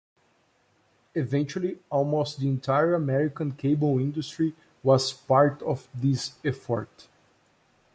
Eventually, "almost the entire American cable industry" was part of this effort.